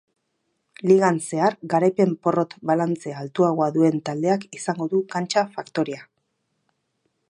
Ligan zehar garaipen-porrot balantze altuagoa duen taldeak izango du kantxa-faktorea.